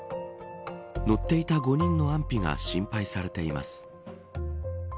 乗っていた５人の安否が心配されています。